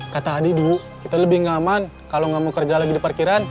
kata adidu kita lebih gak aman kalau gak mau kerja lagi di parkiran